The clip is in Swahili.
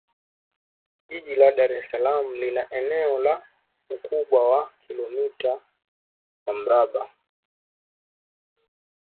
Jiji la Dar es Salaam lina eneo la ukubwa wa kilomita za Mraba